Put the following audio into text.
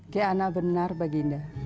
keana benar baginda